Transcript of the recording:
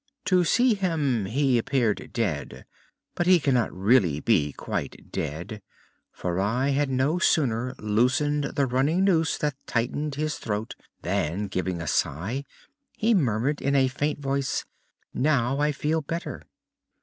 "To see him he appeared dead, but he cannot really be quite dead, for I had no sooner loosened the running noose that tightened his throat than, giving a sigh, he muttered in a faint voice: 'Now I feel better!'"